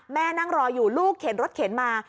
นั่งรออยู่ลูกเข็นรถเข็นมา